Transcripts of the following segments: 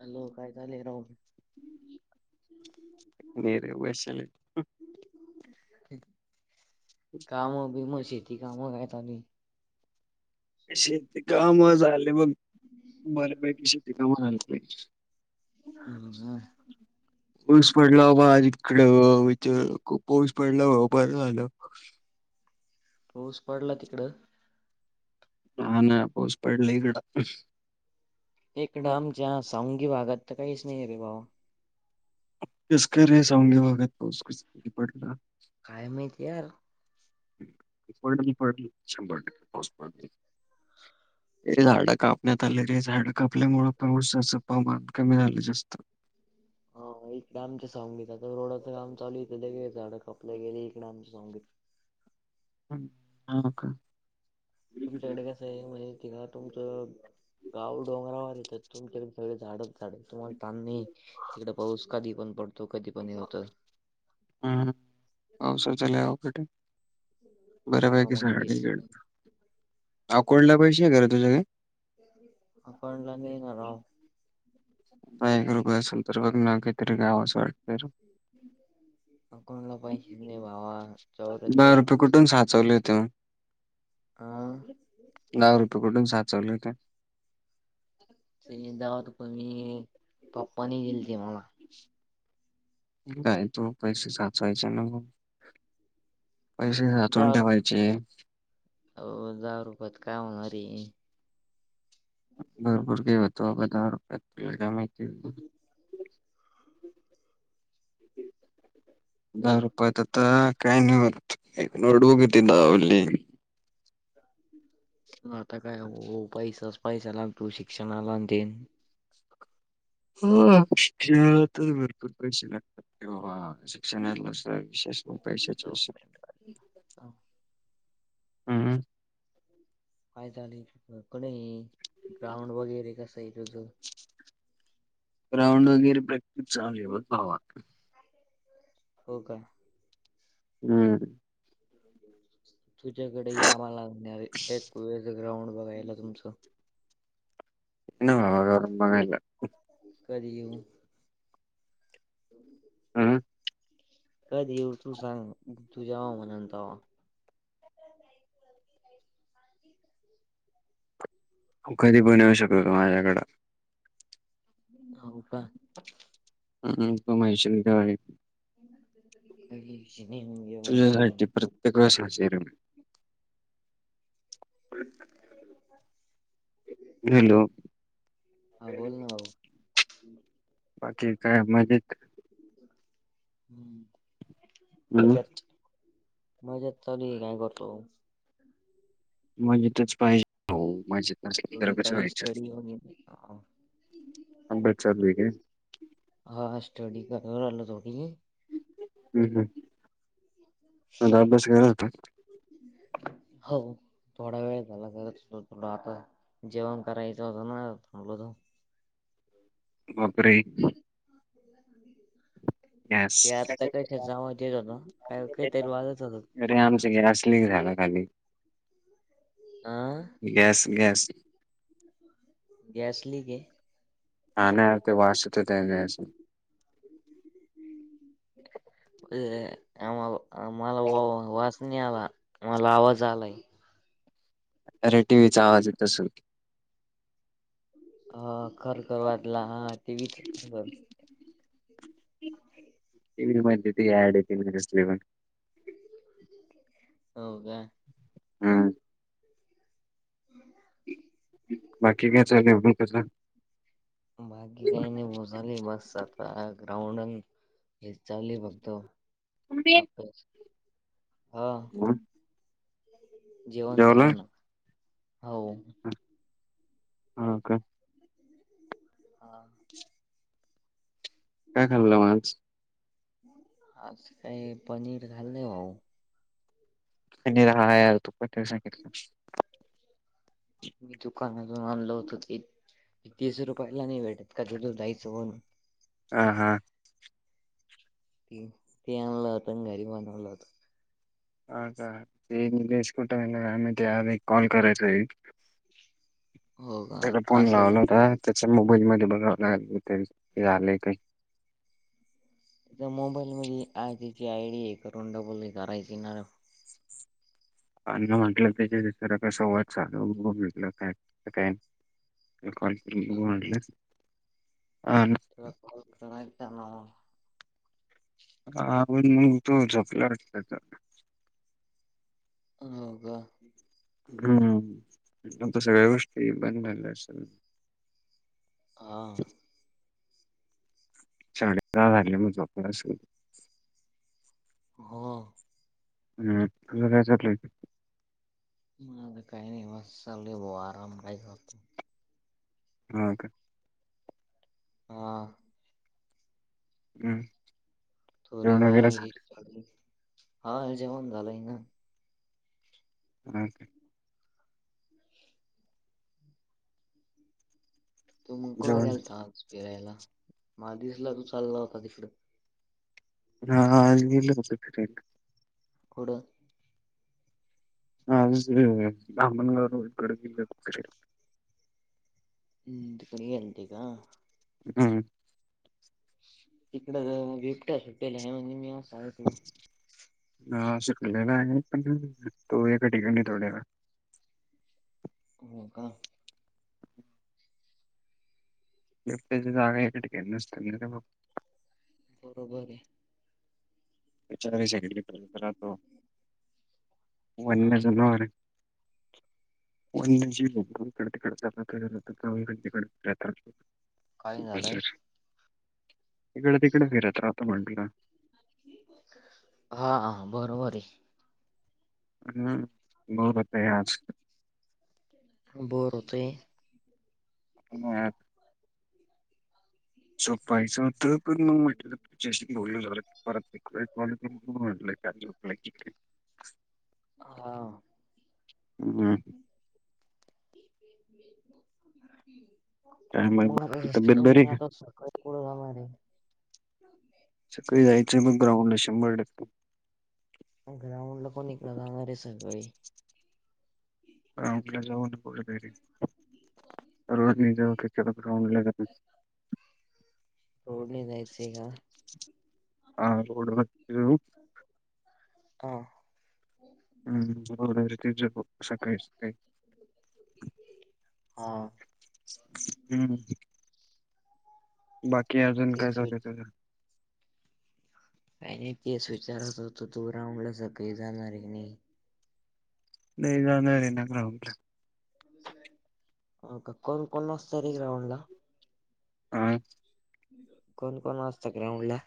Hello काय चालू आहे राव. [unintelligible] काम बीम शेती काम [unintelligible] शेती काम झालं बघ बरपैकी शेती काम झालं. हम्म हम्म. [unintelligible] खूप पाऊस पडल्यावर [unintelligible] पाऊस पडला तिकडं. हाना पाऊस पडला इकड. एक डामच्या सऊंगी भागात तर काहीच नाही रे भावा. [unintelligible] काय माहीती यार. पळली पळली शंभर टक्के पाऊस पडली. हे झाड कापण्यात आले ते झाड कापल्यामुळे पावसाच प्रमान कमी झालं जास्त. हा एक ना आमचे सांगीत आता रोडाचं काम चालू येतं झाड कपलं गेले एक नामच सांगीत. [unintelligible] का. तुमच्याकडे कसं आहे म्हणजे एक हेना तुमचं. गाव डोंगरावर येतात तुम [unintelligible] त्यातून सगळे झाड. तुम्हाला त नाही तिकडे पाऊस कधी पण पडतो कधी पण हे होत. हम्म पावसाचं लय अवघडे. हा बऱ्यापैकी मग सकड तेच अकोडला पैसे आहे घर तुझ्या काय? अकाउंटला नाही येणा राव. एक रुग असेल तर बघ ना काहीतरी गावाचं वाटतं. [inaudible] अकाउंटला पैसेच नाही भावा दहा चौऱ्याहत्तर रुपये कुठून [unintelligible] साचवले होते हा म. लाव रुपये कुठून सा चालुये तु. ते जावत पण मी पप्पानी गेल ते मला. काय तु पैसे साचवायचे न. पैसे साठवून दहा रुपये ठेवायचे. अहो दहा रुपयात काय होणार रे. भरपूर काय होतं बाबा दहा रुपयात तुला काय माहिती. दहा रुपयात आता काय नाही होत एक नोटबुक येती. आता काय हो पैसाच पैसा लागतो शिक्षणाला तेन. हो भरपूर पैसे लागतात. ल स विशेष उपाय हम. काय झाले क नाही ग्राउंड वगैरे कस आहे तुझं? ग्राउंड वगैरे प्रक् चाले भाव. हो का? हम्म. तुझ्याकडे आम्हाला एक वेळस ग्राउंड बघायला तुमचं? येन आ आला कध येऊ. ह. हं. कध येऊ तू सांग तुझ्याव म्हणून त कधी पण येऊ शकत त माझ्याकडं. हो का? हम् कमयशवा क श नाही. येऊ. माहिती आहे तुझ्यासाठी प्रत्येक साहय. हॅलो, हा बोल ना भाऊ. ठीक आहे मणज ह हं, मायकट मजेत चालू आहे काय करतो. माज तरच पाहिजे हो माज न तर थोडी चालू करीक्षा स्टडी वगैरे. हा अंबेदसरलीक हा स्टडी करलं ोडी हम् हम आता अभ बस गरात हो. थोडा वेळ झाला आता जेवण करायचं होतं नाथां. बकरे. सां. ते आता कशाचा यस. आवाज येत होत का काहीतरी वाजत होत. राह ना खाली आा गॅस गॅस गॅस लक आहे. ह नाही ते वाचत त्या आम्हाला आम्हाला वा वा. आला मला आवाज आलाय. अर टी व्हीचा आवाज येत असल. अ खरखर वाटला हा तेच टी व्ही मध्ये ते ऍड येसले पण हो का? हा. हम्. बाकी काय चाले कसा? बाकी काही नाही भू झाली बस आता ग्राउंड चाली फघतो हं आप हा. हा. जेवण झालंय ना हो. ह का? हा. काय खाल्लं माज आज काय पनीर खालंय भाऊ. आणि राहा यार तो पण सांगितलं [unintelligible] मी दुकानातून आणलो होत ते तीस रुपयाला नाही भेटत का तो [unintelligible] जायचं होण हा, हा, ते आणलं होत [unintelligible] ह का तेचटना आमही ते यावे काॉल करायच [unintelligible] हो का त्याला फोन असेल लावला ना होता ते त्या मोबाईल मध्ये बघाव लागेल ते हे आले काय. मोबाईलमध्ये आ त्याची आय डी हे करून डबल हे करायचीणार. अन म्हटलं त्याच्यासरा क संंवाद चालूघ काय काय [unintelligible] नाही ना [unintelligible] हण मग तो झपला वाट [unintelligible] हो का. हम्, आता सगळ्या गोष्टी बन झाल्या अस हा. साडेदहा झाले मग झोपलास असेल. हो. हम्, तुझं काय चाललंय? म काही नाही बॉस चाललय बुआ आराम खायचा आता. हां का. हा. हम्. थोडी वार हा जेवण झालंय ना. ओके [unintelligible] तू म कुठे जेवण गेलता फिरायला, मला दिसला तू चालला होता तिकडे. हा, हा, आज गेलो होतो फिरायला. कुट? अ बहमनगारकड [unintelligible] हम् त कोणी येते का [unintelligible] हम्म. इकड बिबट्या सुटेल आहे म्हणजे मी असा इकडे [unintelligible] हा सुटलेला आहे पण तो एका ठिकाणी थोड्या न राहतो. हो का. बिबट्या ची जागा एका ठिकाणी नसते. बरोबर आहे. विचारी सकडलीरातो [unintelligible] वन्य हा जनावर आहे. वी इकडे तिकड च तडे [unintelligible] काही झालंय. इकडं तिकडे फिरत राहत म्हंटलं. हा बरोबर आहे. हम्म बते आहे आज [unintelligible] बोर होतंय. म आज झोपायचं होतं पण म म्हटलं तुझ्याशी बोल [unintelligible] हा. हम्. [unintelligible] काय मग बाकी तब्येत बरी आहे का? [unintelligible] सगळी जायचंय मग ग्राउंड ला शंभर टक्के. ग्रउंड ल कोणी इकडे जाणार रे सगळी. ग्राउं ला जाऊ रोड नाही जाऊ कळ ग्राउं ला जा. रोड नि जायची का? हा रोडवरती जाऊ. ह हम्म रती ज सकाळी सकाळी. हा हम् बाकी अजून काय तेच वि चाललय तुझ. का नाही तेच विचार असत तू राऊंडला सगळी जाणार नाही. जाणार आहे ना ग्राउंड ला. हो का कोण कोण असत र ग्राउंड ला? हा कोण कोण असता ग्राउंड ला?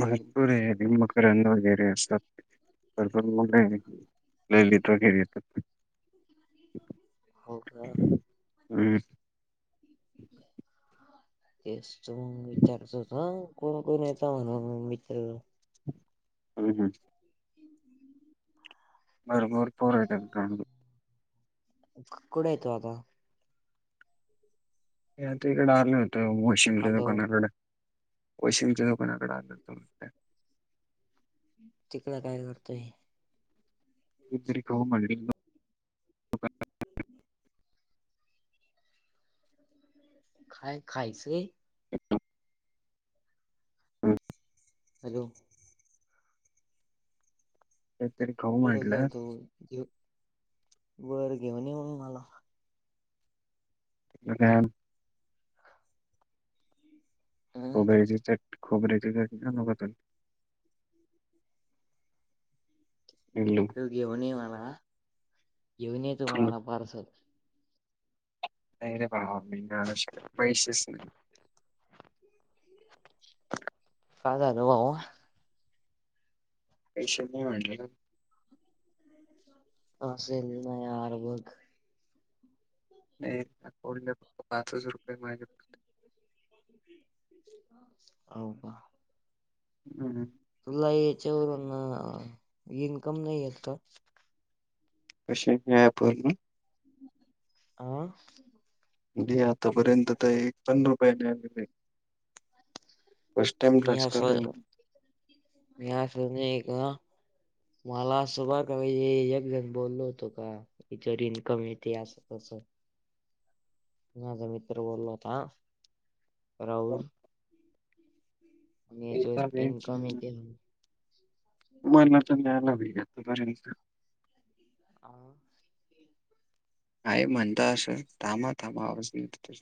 भरपूर आहे म. रन वगैरे असतात भरपूर ललित वगैरे येतात. [unintelligible] हो का? हम् [inaudible] तेच तो मग विचारचं होत कोण कोण येत म्हणून मित्र? ह हम. बरबर पर. कुठे येतो आता? आता इकडे आले होत मशिमच्या हॅलो दुकानाकडे. कोशिमच्या दोकानाकडे आलं. तिकड काय करतोय? [unintelligible] खाय खास हा हॅलो [unintelligible] कठे घेऊ तो घे वर घेऊन येऊ मला. अ अ खोबऱ्याची चट खोबऱ्याची चटक. हलु तू घेऊन ये मला घेऊन ये तू मला पार्सल. नाही रे भावा पैसेच नाहीत. काय झालं भावा? पस नाही म्हटलं. च्छ [unintelligible] नाही अं फक् पाचच रुपये माझे. हो का? हम् ह तुला याच्यावरून इन्कम नाही आहेत का? कशावरून? आं नाही आतापर्यंत तर एक पन्न रुपयाने आलेले. फर्स्ट टाइम मी अभ्यास करतोय असं मी. [inaudible] मला सुब का एक जण बोललो होतो का याच्यावर इन्कम येते असं तस माझा मित्र बोलला होता राहुल आणि याच्या एकदा वेळ इनकम ये मला तर न्यायला वेपर्यंत आवाज हाय म्हणताश थमा थमा आज